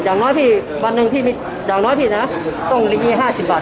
อย่างน้อยพี่บันหนึ่งพี่มีอย่างน้อยพี่น่ะต้องลิงงี้ห้าสิบบาท